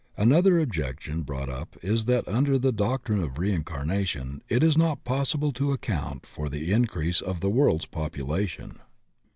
Another objection brought up is that under the doc trine of reincarnation it is not possible to account for the increase of the world's population.